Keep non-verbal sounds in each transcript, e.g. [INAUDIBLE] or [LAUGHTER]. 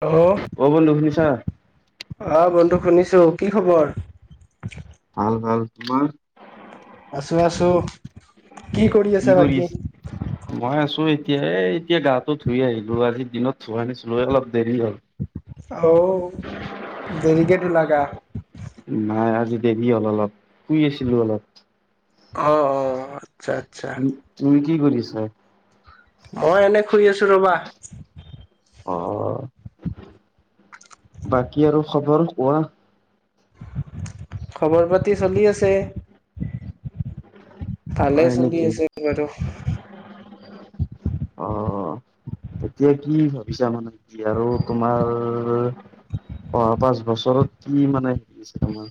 Hello, অ বন্ধু শুনিছা? অ', বন্ধু শুনিছোঁ, কি খবৰ? ভাল, ভাল তোমাৰ? আছোঁ, আছোঁ কি কৰি আছা বাকী? মই আছো এতিয়া এ, এতিয়া গাটো ধুই আহিলোঁ আজি দিনত ধুৱা নাছিলো এ, অলপ দেৰি হ'ল। অ', দেৰিকে ধূলা গা নাই আজি দেৰি হ'ল অলপ শুই আছিলোঁ অলপ। অ', অ'। আচ্ছা তুম-তুমি কি কৰিছা? মই এনে শুই আছোঁ ৰ'বা। অ বাকী আৰু খবৰ কোৱা? খবৰ পাতি চলি আছে। অ ভালেই হয় চলি নেকি আছে বাৰু অ এতিয়া কি ভাবিছা? মানে কি আৰু তোমাৰ অহা পাঁচ বছৰত কি মানে হেৰি আছে তোমাৰ?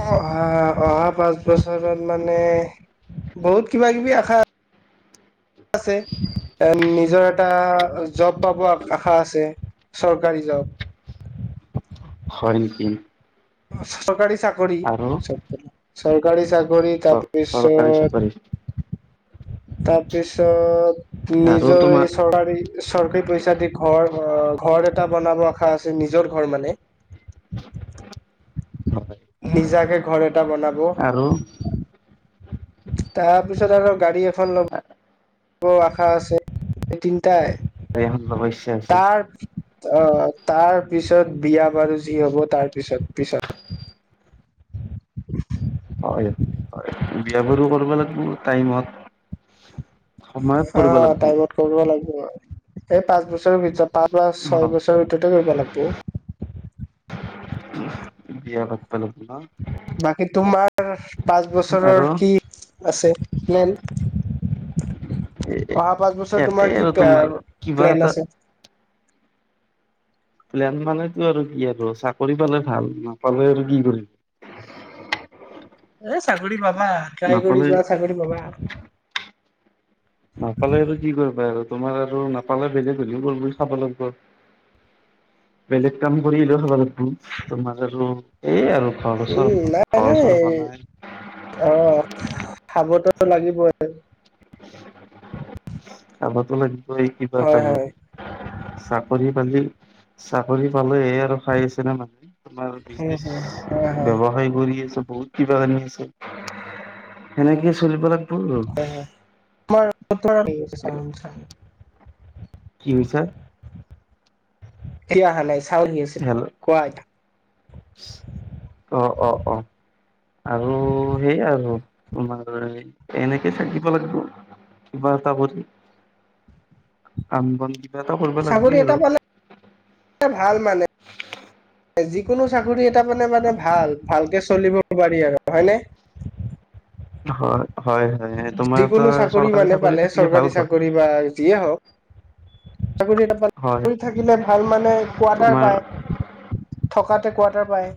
অহা, অহা পাঁচ বছৰ ধৰত মানে বহুত কিবা কিবি আশা আছে। নিজৰ এটা জব পাব আশা আছে। চৰকাৰী জব। হয় নিকি। চৰকাৰী চাকৰি গৰি চাগ কৰি চ চৰকাৰী তাৰপিছছত চাকৰি তাৰপিছত আৰু নিজৰ তোমাৰ এই চৰকাৰী চৰকাৰী পইচা দি ঘৰ অ ঘৰ এটা বনাব আশা আছে নিজৰ ঘৰ মানে, হয় নিজাকে ঘৰ এটা এটা বনাব আৰু তাৰপিছত আৰু গাড়ী এখন লব আশা আছে এদিন ত গাড়ী এখন ল'ব ইচ্ছা আছে তাৰ আহ তাৰ পিছত বিয়া বাৰু যি হব তাৰ পিছত পিছত হয় হয় হয় বিয়াবাৰো কৰিব লাগিব টাইমত। সময়ত অ কৰিব লাগিব টাইমত কৰিব লাগিব আৰু। এই পাঁচ বছৰৰ ভিতৰত। পাঁচ বাাঁচ অ ছয় বছৰ ভিতৰতে কৰিব লাগিব। বিয়া পাত ব লা বাকী তোমাৰ পাঁচ বছৰৰ আৰু কি আছে প্লেন, এ অহা পাঁচ বছৰ একেই তোমাৰ কি আৰু প কিবা প্লেন এটা আছে? প্লেন মানেতো আৰু কি আৰু চাকৰি পালে ভাল নাপালে আৰু কি কৰিম? এ চাকৰি পা পাবা ট্ৰাই কৰি যোৱা চাকৰি পাবা। নাপালে আৰু কি কৰিবা আৰু তোমাৰ আৰু নাপালে বেলেগ হলেও কৰিব খাব লাগিব বেলেগ কাম কৰিলেও খাব লাগিব তোমাৰ আৰু। এই আৰু ঘৰ চৰ উম নাই ঘৰ নাই চৰ বনাই অঁ খাবতো লাগিবই। আমাৰ তোমাৰ কিবা হয় হয়। তাহৰি চাকৰি পালে চাকৰি পালোহে আৰু খাই আছে নে মানুহে। তোমাৰ উম বিজনেছ হুম। হয় হয় ব্যৱসায় কৰি আছো বহুত কিবা কাৰি আছে। সেনেকে চলিব লাগি ব। ব আৰ ক চাম চ কি কৈছা সি অহা নাই। চাউল আছে হেল্ল' কোৱা এটা অ অ অ আৰু সেই আৰু তোমাৰ এনেকে থাকিব লাগিব কিবা এটা কৰি, কাম বন এটা কৰিব চাকৰি লাগিবই আৰু এটা পালে ভাল মানে। যিকোনো চাকৰি এটাৰ মানে মানে ভাল ভালকে চলিব পাৰি আৰু হয়নে। হয়। হয় হয় তোমাৰ এটা যিকোনো চাকৰি চৰকাৰী মানে পালে থাকিলে ভাল চৰকাৰী ঘৰ চাকৰি বা যিয়ে হওক। হয় চাকৰি থাকিলে ভাল মানে কোৱাটাৰ তোমাৰ পায়। থকাতে কোৱাৰটাৰ পায়।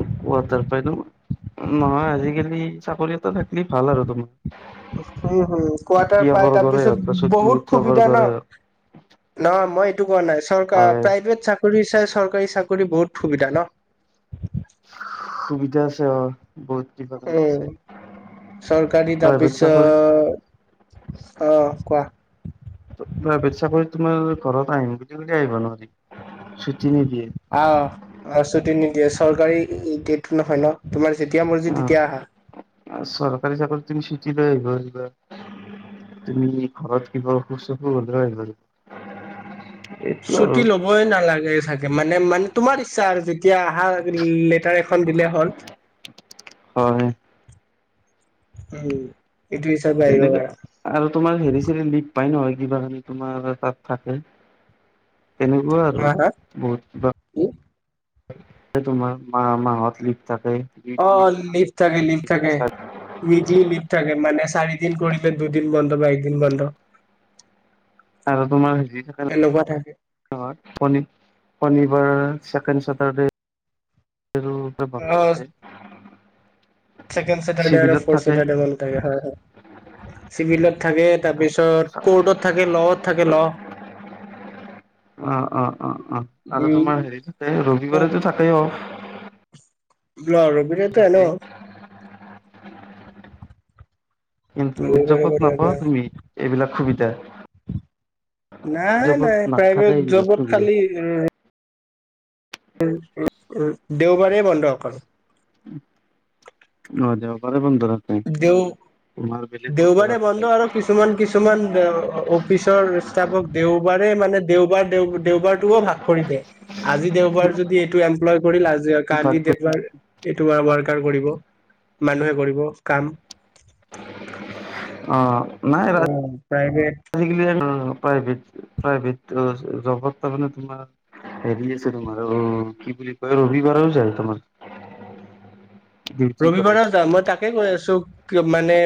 কোৱাটাৰ পাই ন? নহয় আজিকালি চাকৰি এটা থাকিলি ভাল আৰু তোমাৰ। হুম হুম কোৱাটাৰ তৃতীয় পাই বৰ্গৰে হওক তাৰপিছত বা চতুৰ্থ বহুত সুবিধা ন। বৰ্গৰে হওক নাই মই এইটো কোৱা নাই চৰকাৰ হয় প্ৰাইভেড চা চাকৰি চাই চৰকাৰী চাকৰি বহুত সুবিধা ন। [UNINTELLIGIBLE] বহুত [UNINTELLIGIBLE] উম চৰকাৰী প্ৰাইভেট চাকৰি, তাৰপিছত অ কোৱা প্ৰাইভেট চাকৰিত তোমাৰ। ঘৰত আহিম বুলি বুলি আহিব নোৱাৰি। ছুটি নিদিয়ে অ'অ' ছুটি নিদিয়ে। চৰকাৰী [UNINTELLIGIBLE] টো নহয় ন। তোমাৰ যেতিয়া মৰ্জি অ তেতিয়া আহা। চৰকাৰী চাকৰিত তুমি চুটি লৈ আহিব পাৰিবা, তুমি ঘৰত কিবা অসুখ চসুখ হ'লে আহিব পাৰিবা। এইটো আৰু ছুটি ল'বই নালাগে চাগে মানে মানে তোমাৰ ইচ্ছা আৰু যদি। যেতিয়া আহা লেটাৰ এখন দিলে হ'ল। হয়। উম। এইটো হিচাপে আহিব তেনেকে, পাৰা আৰু তোমাৰ হেৰি চেৰি লিভ পাই নহয়। কিবা যদি তোমাৰ তাত থাকে। তেনেকুৱা আৰু হা হা বহুত কিবা। কি তোমাৰ মাহত লিভ। থাকে দুই তিনি অ' লিভ থাকে, লিভ থাকে চাৰি উইক্লি লিভ থাকে মানে চাৰি দিন কৰিলে দুদিন বন্ধ। একদিন বন্ধ। আৰু তোমাৰ। হেৰি থাকে এনেকুৱা থাকে। শনি, শনিবাৰ ছেকেণ্ড চেটাৰডে'। অ', [UNINTELLIGIBLE] ছেকেণ্ড চেটাৰডে আৰু চিভিলত ফৰ্ থাকে। চেটাৰডে বন্ধ থাকে হয় হয় চিভিলত। থাকে তাৰপিছত কৰ্টত থাকে লৱত থাকে ল অ', অ', অ', অ, আৰু উম, তোমাৰ হেৰি থাকে ৰবিবাৰেতো থাকেই অফ। ৰবিবাৰেটো এনেও থাকেই। অফ। কিন্তু ৰবিবাৰে উদজাপত বাৰু নাপাও এনে তুমি এইবিলাক সুবিধা। নাই জবত নাই নাথাকে প্ৰাইভেট এইবিলাক জবত সুবিধা। খালি উম, উম দেওবাৰেই বন্ধ অকল। অ'যাব পাৰে। দেও দেওবাৰে বন্ধ আৰু কিছুমান কিছুমান অফিচৰ ষ্টাফক দেওবাৰে মানে দেওবাৰ দেও দেওবাৰটোও ভাগ কৰি দিয়ে আজি দেওবাৰ যদি এইটো এমপ্লয় কৰিল আজি কালি তাতকৈ দেওবাৰ এইটো বাৰ কাৰ পৰিব মানুহে কৰিব কাম অঁ নাই ৰাজ প্ৰাইভেট প্ৰাইভেট প্ৰাইভেট ত জবত তাৰমানে তোমাৰ হেৰি আছে তোমাৰ অঁ কি বুলি কয় ৰবিবাৰেও যায় তোমাৰ ডিউটি কৰে। ৰবিবাৰেও যায় মই তাকে কৈ আছো মানে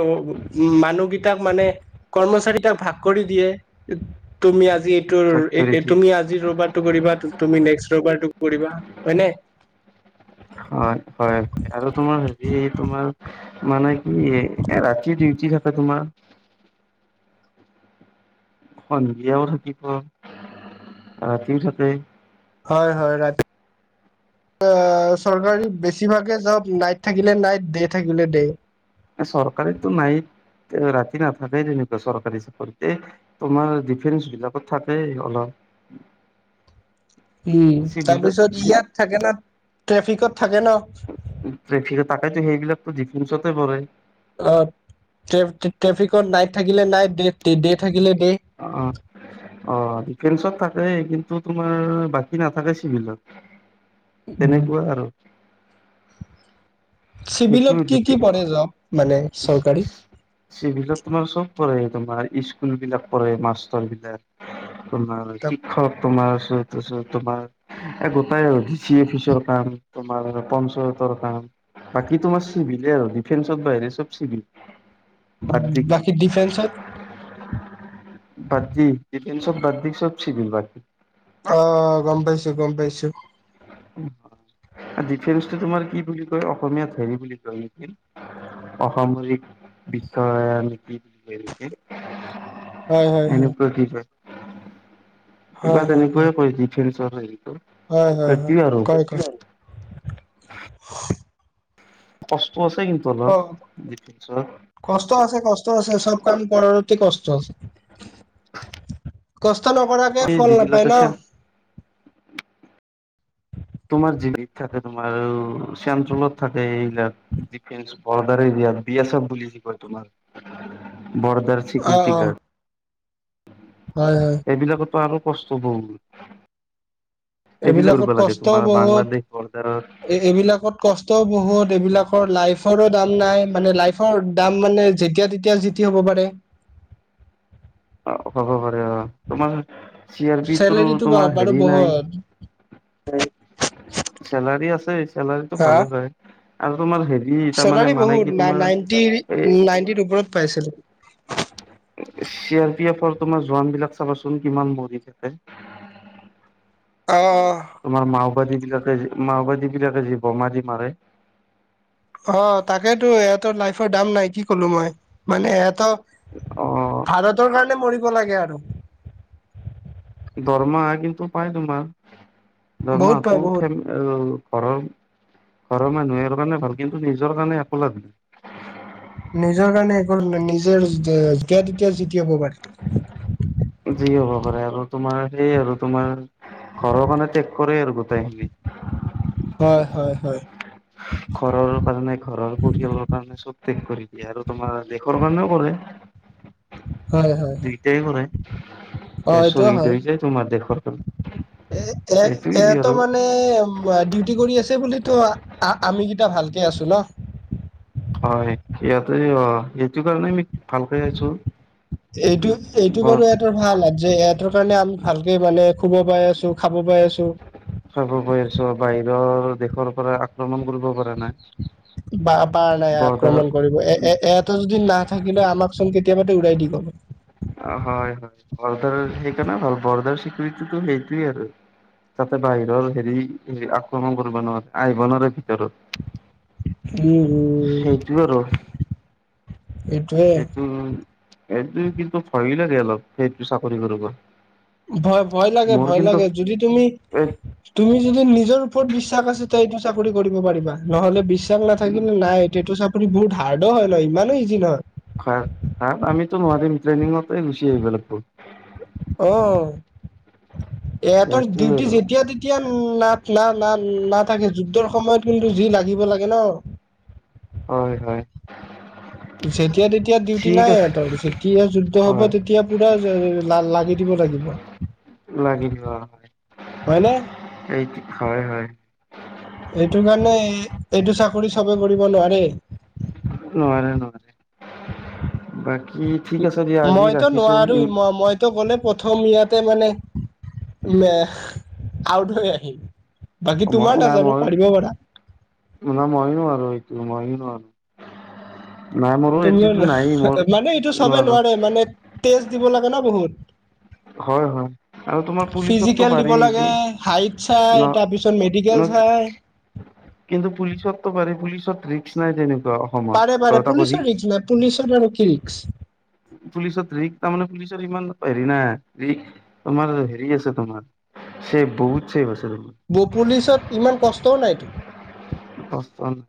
উ মানুহকেইটাক মানে কৰ্মচাৰীকেইটাক ভাগ কৰি দিয়ে তুমি আজি এইটো ভাগ কৰি দিয়ে তুমি আজি ৰবিবাৰটো কৰিবা তুমি নেক্স ৰবিবাৰটো কৰিবা হয় নে হয় হয় হয় আৰু তোমাৰ হেৰি তোমাৰ মানে কি এ ৰাতি ডিউটি থাকে তোমাৰ সন্ধিয়াও থাকিব ৰাতিও থাকে হয় হয় ৰাতি চৰকাৰী বেছিভাগে জব নাইট থাকিলে নাই ডে থাকিলে ডে চৰকাৰীতটো নাই ৰাতি নাথাকেই তেনেকুৱা চৰকাৰী চাকৰিতে তোমাৰ ডিফেন্স বিলাকত থাকেই অলপ উম চিভিলত তাৰপিছত ইয়াত থাকে না ট্ৰেফিকত থাকে ন ট্ৰেফিকত তাকেইতো সেইবিলাকো দি ডিফেন্সাতে পৰে অ' ট্ৰেফিকত নাইট থাকিলে নাইট ডে থাকিলে ডে অঁ অ' ডিফেন্সত থাক থাকেই কিন্তু তোমাৰ বাকী নাথাকে চিভিলত তেনেকুৱা আৰু সেইটো চিভিলত কি ডিফে কি পৰে জব মানে চৰকাৰী চিভিলত তোমাৰ চব পৰে তোমাৰ স্কুল বিলাক পৰে মাষ্টৰ বিলাক তোমাৰ শিক্ষক তোমাৰ পিছত তোমাৰ গোটাই ডি চি অফিচৰ কাম তোমাৰ পঞ্চায়তৰ কাম বাকী তোমাৰ চিভিলেই আৰু ডিফেন্সৰ বাহিৰে চব চিভিল বাদ দি কিনি বাকী ডিফেন্সত বাকী ডিফেন্সত বাদ দি চব চিভিল বাকী অ' গম পাইছো গম পাইছো ডিফেন্সটো তুমাৰ কি বুলি কয় অসমীয়াত হেৰি বুলি কয় নেকি অসামৰিক বিষয়া নে কি বুলি হয় হয় হয়। এনেকুৱা কিবা কিবা হয় হয় হয় তেনেকুৱাই কয় ডিফেন্স [UNINTELLIGIBLE] হয় হয় হয় কয় কয় [UNINTELLIGIBLE] ক, অলপ ডিফেন্সৰ কষ্ট আছে। কষ্ট আছে। চব কাম কৰাৰ কে কষ্ট আছে। কষ্ট নকৰাকে এই ফল নাপায় যিবিলাকে ন। চেন তোমাৰ য থাকে তোমাৰ চেণ্ট্ৰেলত থাকে এইবিলাক ডিফেস বৰ্ডাৰ এৰিয়াত বি এছ এফ বুলি কি কয় তোমাৰ ব'ৰদাৰ অ' চিকিঅ'ৰিটি অ' গাৰ্ড হয় হয়। এইবিলাকতো আৰু কষ্ট বহুত এইবিলাক কৰিব এইবিলাকত লাগে কষ্টও তোমাৰ বহুত। বাংলাদেশ বৰ্ডাৰত এইবিলাকত কষ্টও বহুত। এইবিলাকৰ লাইফৰো দাম নাই। মানে লাইফৰ দাম মানে, যেতিয়া তেতিয়া যি তি হ'ব পাৰে। অ, হ'ব পাৰে অ'। তোমাৰ চি আৰ পি টোৰ চেলাৰীটো তোমাৰ পাব বাৰু হেৰি নাই বহুত [UNINTELLIGIBLE] চেলাৰী আছে চেলাৰিটো হা ভালে পাই। চেলাৰী বহুত। না-নাইনটি, এই নাইনটিৰ ওপৰত পাইছিলোঁ। চি আৰ পি এফৰ তোমাৰ জোৱান বিলাক চাবাচোন কিমান মৰি থাকে। অ তোমাৰ মাওবাদী বিলাক মাওবাদি বিলাকে যে, বোমা দি মাৰে। অ', তাকেতো ইহঁতৰ লাইফৰ দাম নাই কি ক'লো মই মানে এহঁত অ ভাৰতৰ কা মৰিব লাগে আৰু। দৰমাহা কিন্তু পাই তোমাৰ বহুত পায় দৰমহাটো [UNINTELLIGIBLE] বহুত ঘৰৰ, ঘৰৰ মানুহেৰ কাৰণে ভাল কিন্তু নিজৰ কাৰণে একো লাভ নিজৰ কাৰণে এখন নিজৰ যে-যেতি-তেতিয়া [UNINTELLIGIBLE] কি হ'ব পাৰে। কৰে আৰু তোমাৰ সেই আৰু তোমাৰ ঘৰৰ কাৰণে ত্যাগ কৰে আৰু গোটেইখিনি। হয়, হয়, হয়। ঘৰৰ কাৰণে ঘৰৰ পৰিয়ালৰ কাৰণে চব শেখ কৰী দিয়ে আৰু তোমাৰ দেশৰ কাৰণেও কৰে। হয় হয় হয় দুইটাই কৰে। অ, এ এইটো শ্বহীদ হয়। হৈ যায় তোমাৰ দেশৰ কাৰণে এ, এ এইটোৱে এটো আৰু মানে ডিউটি কৰি আছ বুলি টো আমি গীত ভালকে আছো ন। হয়। ইয়াতে, এইটো কাৰণেই এইটো, এইটো ব বাৰু এটা ভাল যে ইহঁতৰ কাৰণে আমি ভালকে মানে শুব পাই আছো, খাব পাই আছো। খাব পাই আছোঁ। অ বাই নিজৰ দেশৰ পৰা আক্ৰমণ কৰিব প নাই বা পাৰ নাই বৰ্ডাৰ আক্ৰমণ কৰিব। এ এটা যদি নাথাকিল হয় আমাকচোন কেতিয়া বাতে উলাই দি গল হয়। হয়, হয় বৰ্দাৰ সেইকাৰণে ভাল বৰ্দাৰ চিকৰিটিো সেইটোৱেই আৰু। তাতে বাহিৰৰ হেৰি আক্ৰমণ কৰিব নোৱাৰে আহিব নোৱাৰে ভিতৰত। উম', সেইটো আৰু উম '। এইটো এইটো কিন্তু ভয়ো লাগে অলপ। সেইটো চাকৰি কৰিব। ভয় ভয় লাগে, মোৰ ভয় কিন্তু লাগে যদি তুমি এই তুমি যদি নিজৰ ওপৰত বিশ শ্বাস আছে এইটো চাকৰি কৰিব পাৰিবা। নহ'লে বিশ্বা স নাথাকিলে নাই এইটো চা বহুত হাৰ্ডো হয় ন, ইমানো ইজি নহয়। খাৰ আমিতো নোৱাৰিম ট্ৰেইনিঙতে গুচি আহিব লাগিব। অ'। এহঁতৰ এইটোৱে ডিউটি আৰু যেতিয়া তেতিয়া না না না নাথাকে যুদ্ধৰ সময়ত কিন্তু যি লাগিব লাগে ন। হয়, হয়। যেতিয়া তেতিয়া ডিউটি ঠিক নাই আছে ইহঁতৰ যেতিয়া যুদ্ধ হব হয় তেতিয়া পুৰা লা লা লাগি দিব লাগিব। লাগি দিব লগা হয় হয়নে সেইটো হয়, হয়। এইটো কাৰণে এইটো চাকৰি চবে কৰিব নোৱাৰে। নোৱাৰে নহয়। বাকী দিয়া আজি মইতো ৰাখিছো নোৱাৰো ম মইতো গ'লে প্ৰথম ইয়াতে মানে আউট হৈ আহিম। বাকী তোমাৰ মই নাই নাজানো মই পাৰিব পাৰা ন মইও নোৱাৰো এইটো মইও নোৱাৰো। নাই মোৰো তুমিও এইটোতো নায়েই মোৰ মানে এইটো চবে নোৱাৰো নোৱাৰে মানে তেজ দিব লাগে ন বহুত। হয়, হয় আৰু তোমাৰ পুলিচতো ফিজিকেল দিব পাৰি লাগে কি হাইট চাই ন তাৰপিছত মেডিকেল ন চাই কিন্তু পুলিচতো পাৰি পুলিচত এইটোত ৰিস্ক নাই তেনেও। পাৰে পাৰে পুলিচৰ ৰিস্ক নাই। পুলিচৰ আৰু কি ৰিস্ক? পুলিচত ৰিস্ক তাৰমানে পুলিচত ইমান হেৰি নাই ৰিস্ক। তোমাৰ হেৰি আছে তোমাৰ চেভ বহুত চেভ আছে। তোমাৰ [UNINTELLIGIBLE] পুলিচত ইমান কচ ত নাইটো [UNINTELLIGIBLE]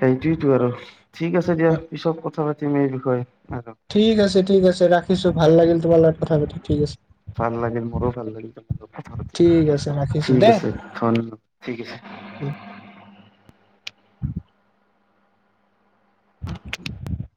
সেইটোয়েতো আৰু ঠিক আছে দিয়া পিছত কথা পা ম এই বিষয়ে আৰু ঠিক আছে ঠিক আছে ৰাখিছো ভাল লাগিল। তোমাৰ লগত কথা পাতি, ঠিক আছে। ভাল লাগিল মোৰো ভাল লাগিল তোমাৰ লগত কথা ঠিক আছে পাতি ৰাখিছো ঠিক আছে দেই [UNINTELLIGIBLE] ঠিক আছে। হয় [UNINTELLIGIBLE]